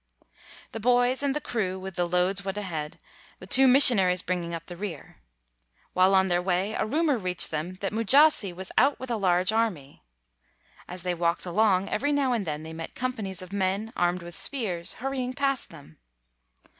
The boys and the crew with the loads went ahead, the two missionaries bringing up the rear. While on their way, a rumor reached them that Mujasi was out with a large army. As they walked along, every 205 WHITE MAN OF WORK now and then they met companies of men, armed with spears, hurrying past them.